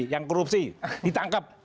yang korupsi ditangkap